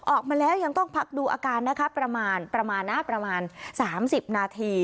ออกมาแล้วยังต้องพักดูอาการประมาณ๓๐นาที